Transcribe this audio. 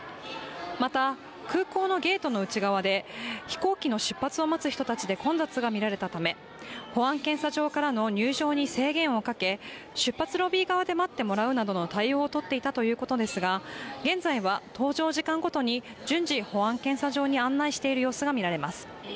また、空港のゲートの内側で飛行機の出発を待つ人たちで混雑がみられたため、保安検査場からの入場に制限をかけ出発ロビー側で待ってもらうなどの対応をとっていたということですが、現在は登場時間ごとに順次、保安検査場に案内している様子が見られます。